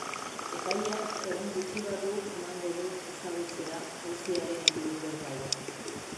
Epaileak egun gutxi barru emango du ezagutzera auziaren inguruko epaia.